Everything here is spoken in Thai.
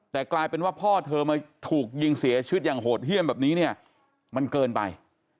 แต่กลายเป็นว่าพ่อเธอมาถูกยิงเสียชีวิตอย่างโหดเยี่ยมแบบนี้เนี่ยมันเกินไป